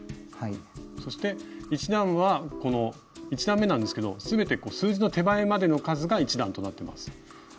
そして１段めなんですけど全て数字の手前までの数が１段となってます。